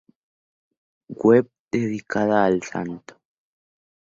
Web dedicada al santo